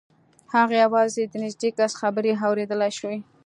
هغه یوازې د نږدې کس خبرې اورېدلای شوې